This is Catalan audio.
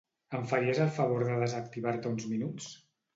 Em faries el favor de desactivar-te uns minuts?